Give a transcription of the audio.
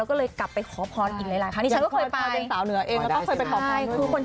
โดยกลับไปขอพรอี่หลายครั้ง